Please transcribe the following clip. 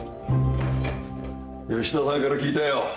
吉田さんから聞いたよ。